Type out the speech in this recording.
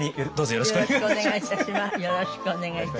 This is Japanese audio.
よろしくお願いします。